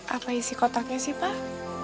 apa isi kotaknya sih pak